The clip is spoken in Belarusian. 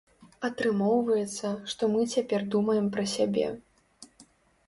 Атрымоўваецца, што мы цяпер думаем пра сябе.